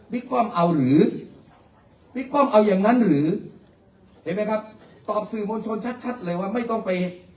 ป้อมเอาหรือบิ๊กป้อมเอาอย่างนั้นหรือเห็นไหมครับตอบสื่อมวลชนชัดเลยว่าไม่ต้องไป